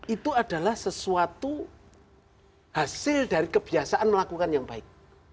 itu adalah sesuatu hasil dari kebiasaan melakukan yang baik